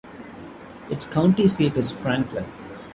Its county seat is Franklin.